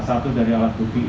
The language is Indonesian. keterangan daripada proses ini